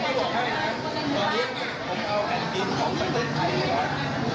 ไม่ใช่ไม่รู้เรื่องเดี๋ยวพี่ฟังตอนผมเข้าใจ